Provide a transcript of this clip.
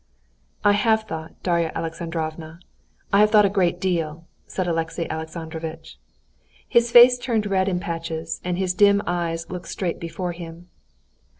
"I have thought, Darya Alexandrovna, I have thought a great deal," said Alexey Alexandrovitch. His face turned red in patches, and his dim eyes looked straight before him.